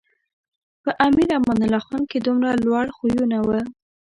په امیر امان الله خان کې دومره لوړ خویونه و.